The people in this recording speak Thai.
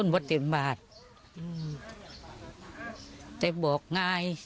วัดไทยก็คุณฮีเร็ม